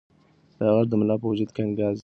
دا غږ د ملا په وجود کې انګازې وکړې.